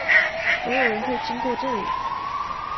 沒有人可以經過這裡！